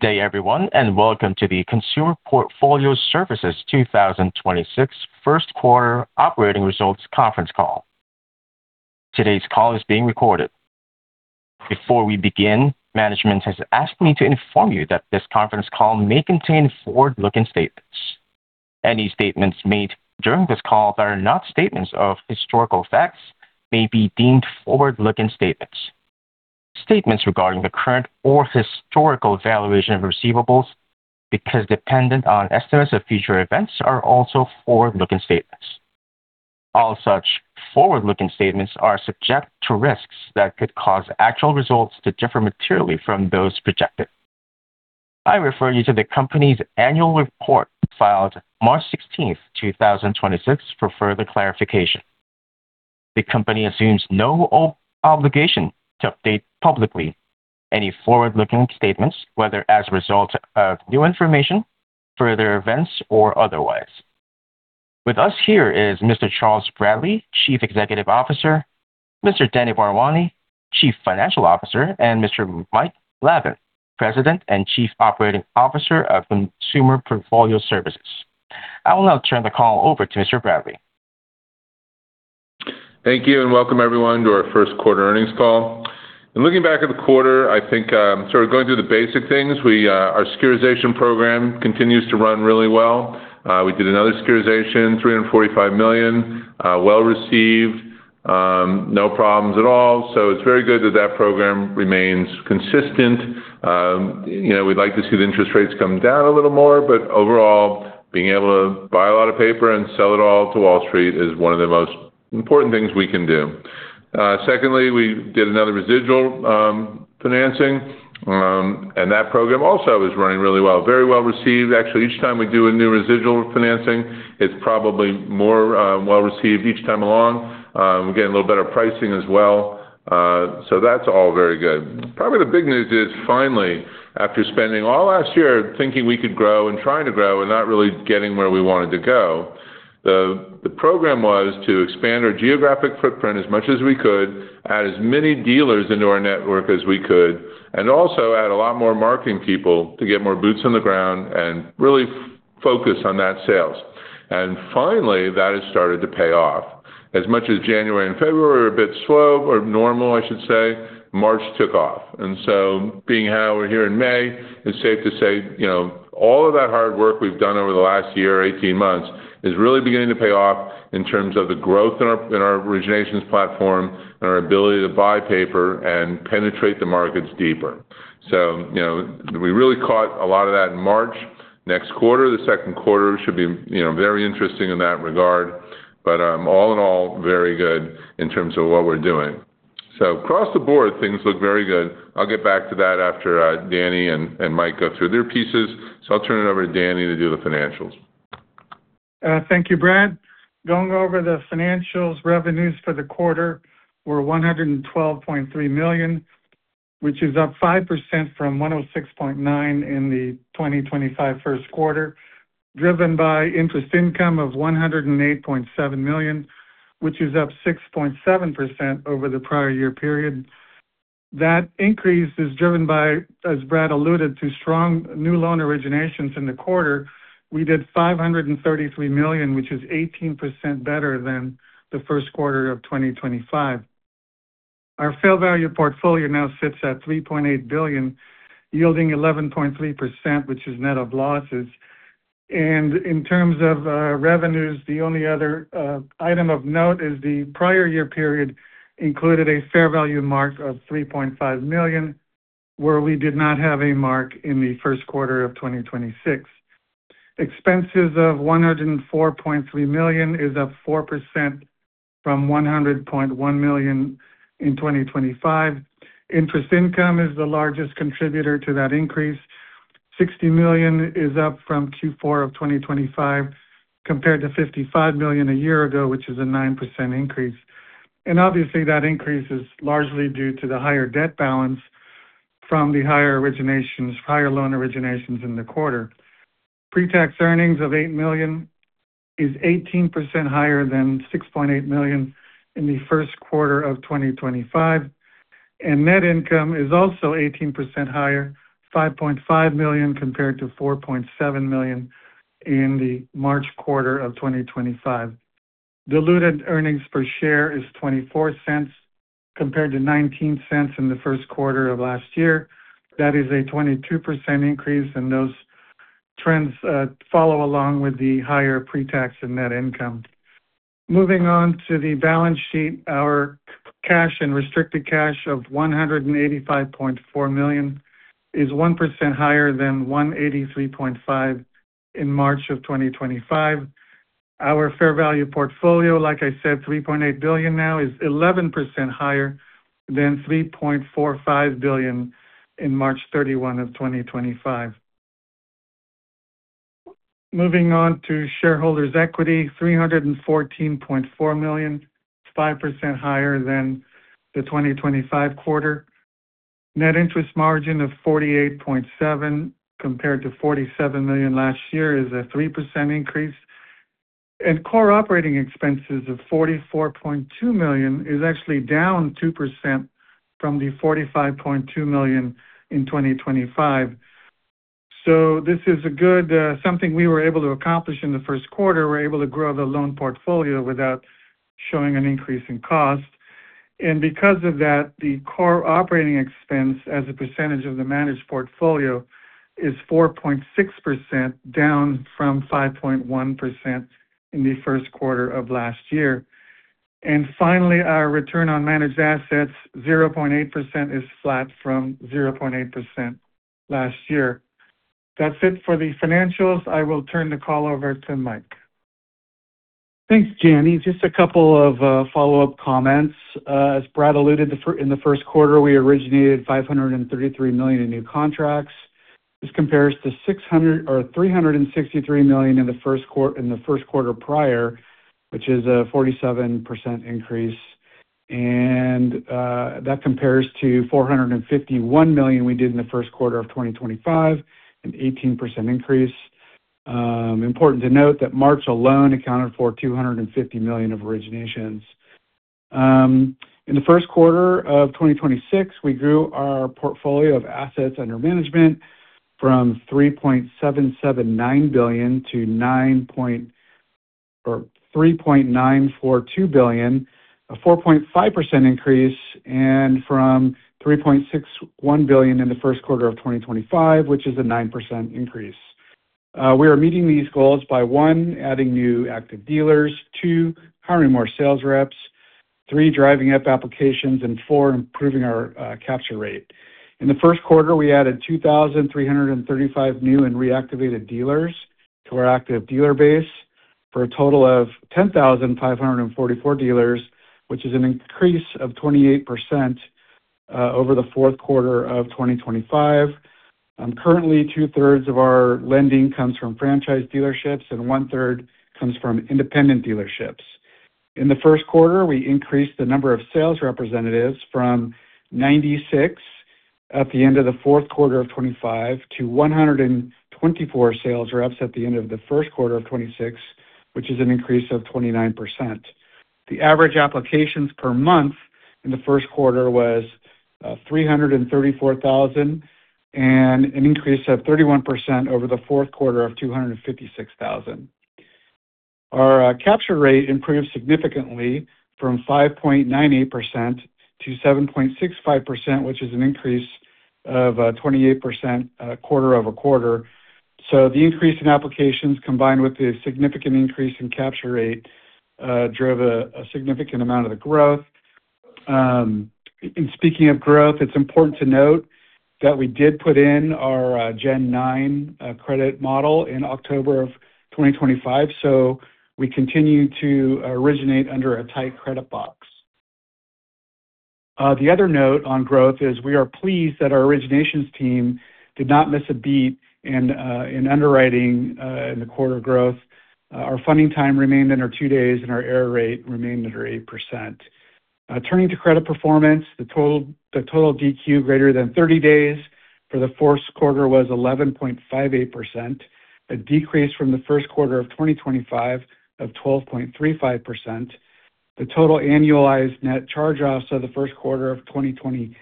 Good day everyone, and welcome to the Consumer Portfolio Services 2026 first quarter operating results conference call. Today's call is being recorded. Before we begin, management has asked me to inform you that this conference call may contain forward-looking statements. Any statements made during this call that are not statements of historical facts may be deemed forward-looking statements. Statements regarding the current or historical valuation of receivables because dependent on estimates of future events are also forward-looking statements. All such forward-looking statements are subject to risks that could cause actual results to differ materially from those projected. I refer you to the company's annual report filed March 16th, 2026 for further clarification. The company assumes no obligation to update publicly any forward-looking statements, whether as a result of new information, further events, or otherwise. With us here is Mr. Charles Bradley, Chief Executive Officer, Mr. Danny Bharwani, Chief Financial Officer, and Mr. Mike Lavin, President and Chief Operating Officer of Consumer Portfolio Services. I will now turn the call over to Mr. Bradley. Thank you and welcome everyone to our first quarter earnings call. In looking back at the quarter, I think, our securitization program continues to run really well. We did another securitization, $345 million, well received, no problems at all. It's very good that that program remains consistent. You know, we'd like to see the interest rates come down a little more, but overall, being able to buy a lot of paper and sell it all to Wall Street is one of the most important things we can do. Secondly, we did another residual financing, and that program also is running really well. Very well-received. Actually, each time we do a new residual financing, it's probably more well-received each time along. We're getting a little better pricing as well. That's all very good. Probably the big news is finally, after spending all last year thinking we could grow and trying to grow and not really getting where we wanted to go, the program was to expand our geographic footprint as much as we could, add as many dealers into our network as we could, and also add a lot more marketing people to get more boots on the ground and really focus on that sales. Finally, that has started to pay off. As much as January and February were a bit slow or normal, I should say, March took off. Being how we're here in May, it's safe to say, you know, all of that hard work we've done over the last year, 18 months, is really beginning to pay off in terms of the growth in our originations platform and our ability to buy paper and penetrate the markets deeper. You know, we really caught a lot of that in March. Next quarter, the second quarter should be, you know, very interesting in that regard. All in all, very good in terms of what we're doing. Across the board, things look very good. I'll get back to that after Danny and Mike go through their pieces. I'll turn it over to Danny to do the financials. Thank you, Brad. Going over the financials, revenues for the quarter were $112.3 million, which is up 5% from $106.9 million in the 2025 first quarter, driven by interest income of $108.7 million, which is up 6.7% over the prior year period. That increase is driven by, as Brad alluded to, strong new loan originations in the quarter. We did $533 million, which is 18% better than the first quarter of 2025. Our fair value portfolio now sits at $3.8 billion, yielding 11.3%, which is net of losses. In terms of revenues, the only other item of note is the prior year period included a fair value mark of $3.5 million, where we did not have a mark in the first quarter of 2026. Expenses of $104.3 million is up 4% from $100.1 million in 2025. Interest income is the largest contributor to that increase. $60 million is up from Q4 of 2025 compared to $55 million a year ago, which is a 9% increase. Obviously, that increase is largely due to the higher debt balance from the higher originations, higher loan originations in the quarter. Pre-tax earnings of $8 million is 18% higher than $6.8 million in the first quarter of 2025. Net income is also 18% higher, $5.5 million compared to $4.7 million in the March quarter of 2025. Diluted earnings per share is $0.24 compared to $0.19 in the first quarter of last year. That is a 22% increase, and those trends follow along with the higher pre-tax and net income. Moving on to the balance sheet. Our cash and restricted cash of $185.4 million is 1% higher than $183.5 million in March of 2025. Our fair value portfolio, like I said, $3.8 billion now, is 11% higher than $3.45 billion in March 31 of 2025. Moving on to shareholders' equity, $314.4 million is 5% higher than the 2025 quarter. Net interest margin of 48.7% compared to $47 million last year is a 3% increase. Core operating expenses of $44.2 million is actually down 2% from the $45.2 million in 2025. This is a good something we were able to accomplish in the first quarter. We were able to grow the loan portfolio without showing an increase in cost. Because of that, the core operating expense as a percentage of the managed portfolio is 4.6%, down from 5.1% in the first quarter of last year. Finally, our return on managed assets, 0.8%, is flat from 0.8% last year. That's it for the financials. I will turn the call over to Mike. Thanks, Danny. Just a couple of follow-up comments. As Brad alluded, in the first quarter, we originated $533 million in new contracts. This compares to $363 million in the first quarter prior, which is a 47% increase. That compares to $451 million we did in the first quarter of 2025, an 18% increase. Important to note that March alone accounted for $250 million of originations. In the first quarter of 2026, we grew our portfolio of assets under management from $3.779 billion to $3.942 billion, a 4.5% increase, and from $3.61 billion in the first quarter of 2025, which is a 9% increase. We are meeting these goals by, one, adding new active dealers, two, hiring more sales reps, three, driving up applications, and four, improving our capture rate. In the first quarter, we added 2,335 new and reactivated dealers to our active dealer base for a total of 10,544 dealers, which is an increase of 28% over the fourth quarter of 2025. Currently, 2/3 of our lending comes from franchise dealerships and 1/3 comes from independent dealerships. In the first quarter, we increased the number of sales representatives from 96 at the end of the fourth quarter of 2025 to 124 sales reps at the end of the first quarter of 2026, which is an increase of 29%. The average applications per month in the first quarter was 334,000 and an increase of 31% over the fourth quarter of 256,000. Our capture rate improved significantly from 5.98%-7.65%, which is an increase of 28% quarter-over-quarter. The increase in applications, combined with the significant increase in capture rate, drove a significant amount of the growth. Speaking of growth, it's important to note that we did put in our Gen 9 Credit model in October of 2025, so we continue to originate under a tight credit box. The other note on growth is we are pleased that our originations team did not miss a beat in underwriting in the quarter growth. Our funding time remained under two days, and our error rate remained under 8%. Turning to credit performance, the total DQ greater than 30 days for the fourth quarter was 11.58%, a decrease from the first quarter of 2025 of 12.35%. The total annualized net charge-offs of the first quarter of 2026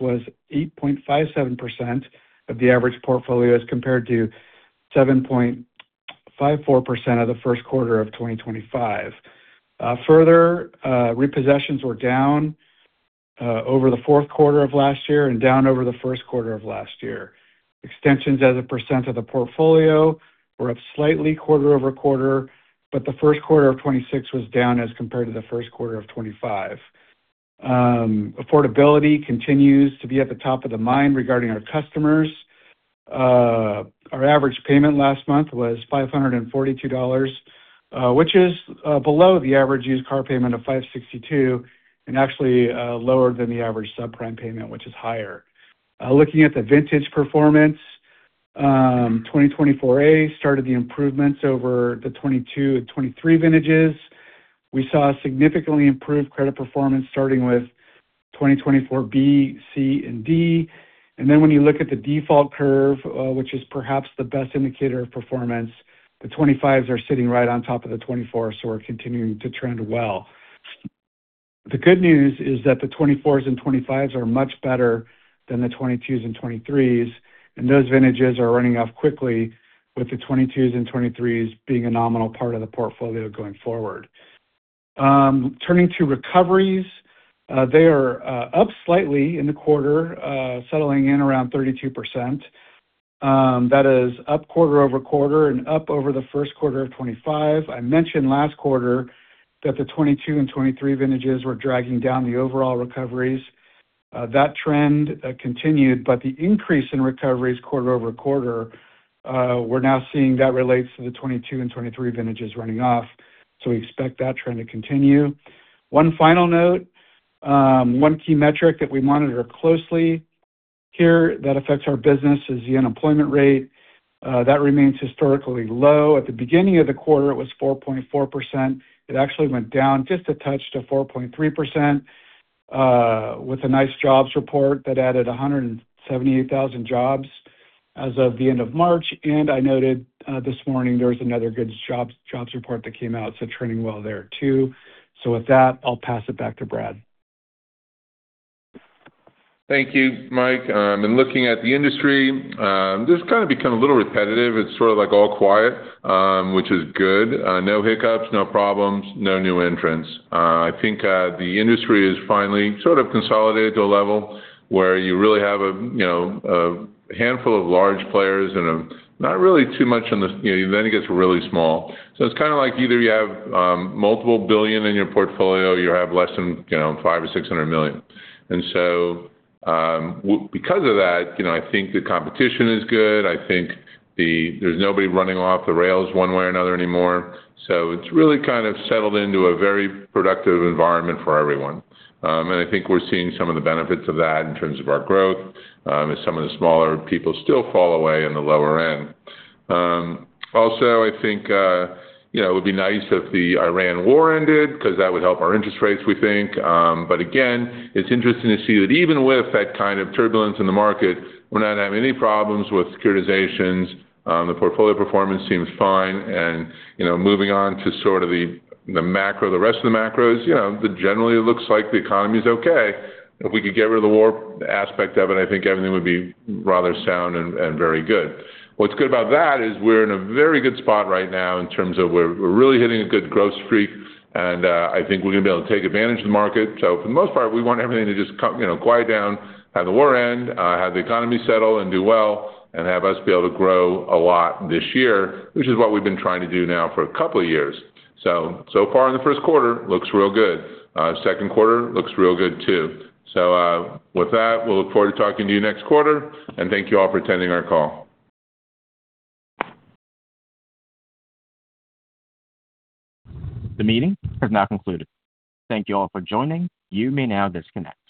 was 8.57% of the average portfolios, compared to 7.54% of the first quarter of 2025. Further, repossessions were down over the fourth quarter of last year and down over the first quarter of last year. Extensions as a percent of the portfolio were up slightly quarter-over-quarter, but the first quarter of 2026 was down as compared to the first quarter of 2025. Affordability continues to be at the top of the mind regarding our customers. Our average payment last month was $542, which is below the average used car payment of $562, and actually, lower than the average subprime payment, which is higher. Looking at the vintage performance, 2024 A started the improvements over the 2022 and 2023 vintages. We saw a significantly improved credit performance starting with 2024 B, C, and D. When you look at the default curve, which is perhaps the best indicator of performance, the 2025s are sitting right on top of the 2024s, so we're continuing to trend well. The good news is that the 2024s and 2025s are much better than the 2022s and 2023s, and those vintages are running off quickly, with the 2022s and 2023s being a nominal part of the portfolio going forward. Turning to recoveries, they are up slightly in the quarter, settling in around 32%. That is up quarter-over-quarter and up over the first quarter of 2025. I mentioned last quarter that the 22 and 23 vintages were dragging down the overall recoveries. That trend continued, but the increase in recoveries quarter-over-quarter, we're now seeing that relates to the 22 and 23 vintages running off. We expect that trend to continue. One final note, one key metric that we monitor closely here that affects our business is the unemployment rate. That remains historically low. At the beginning of the quarter, it was 4.4%. It actually went down just a touch to 4.3%, with a nice jobs report that added 178,000 jobs. As of the end of March, I noted this morning there was another good jobs report that came out, trending well there too. With that, I'll pass it back to Brad. Thank you, Mike. In looking at the industry, this has kind of become a little repetitive. It's sort of like all quiet, which is good. No hiccups, no problems, no new entrants. I think the industry is finally sort of consolidated to a level where you really have, you know, a handful of large players and not really too much in the, you know, then it gets really small. It's kind of like either you have multiple billion in your portfolio or you have less than, you know, $500 million or $600 million. Because of that, you know, I think the competition is good. I think there's nobody running off the rails one way or another anymore. It's really kind of settled into a very productive environment for everyone. I think we're seeing some of the benefits of that in terms of our growth, as some of the smaller people still fall away in the lower end. Also I think, you know, it would be nice if the Iran war ended because that would help our interest rates, we think. Again, it's interesting to see that even with that kind of turbulence in the market, we're not having any problems with securitizations. The portfolio performance seems fine and, you know, moving on to sort of the macro, the rest of the macros, you know, generally it looks like the economy is okay. If we could get rid of the war aspect of it, I think everything would be rather sound and very good. What's good about that is we're in a very good spot right now in terms of we're really hitting a good growth streak and I think we're gonna be able to take advantage of the market. For the most part, we want everything to just come, you know, quiet down. Have the war end, have the economy settle and do well, and have us be able to grow a lot this year, which is what we've been trying to do now for a couple of years. So far in the first quarter, looks real good. Second quarter looks real good too. With that, we'll look forward to talking to you next quarter and thank you all for attending our call. The meeting has now concluded. Thank you all for joining. You may now disconnect.